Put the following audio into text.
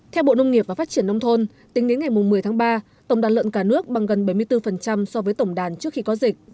theo bộ nông nghiệp và phát triển nông thôn tính đến ngày một mươi tháng ba tổng đàn lợn cả nước bằng gần bảy mươi bốn so với tổng đàn trước khi có dịch